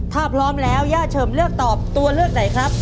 ถ้าพร้อมแล้วย่าเฉิมเลือกตอบตัวเลือกไหนครับ